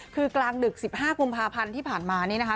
คือกลางดึก๑๕กุมภาพันธ์ที่ผ่านมานี่นะคะ